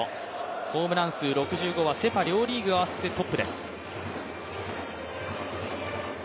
ホームラン数６５はセ・パ両リーグ合わせてトップです